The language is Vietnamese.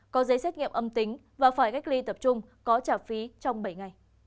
có giấy xét nghiệm âm tính và phải cách ly tập trung có trả phí trong bảy ngày